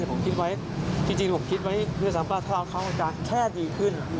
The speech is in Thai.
ใช่ต้องคิดไว้จริงผมคิดไว้คือสำคัญถ้าเอาเขาก็จะแค่ดีขึ้น